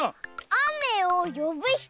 あめをよぶひと！